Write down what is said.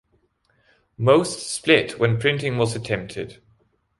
Most split when printing was attempted.